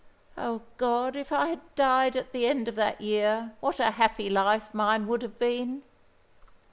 "Oh, God, if I had died at the end of that year, what a happy life mine would have been!"